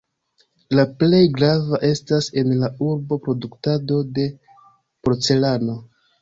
La plej grava estas en la urbo produktado de porcelano.